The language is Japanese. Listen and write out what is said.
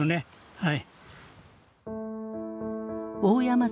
はい。